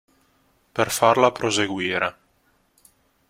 Per farla proseguire.